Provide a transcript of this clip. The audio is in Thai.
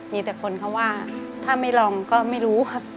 มีแต่คนเขาว่าถ้าไม่ลองก็ไม่รู้ครับ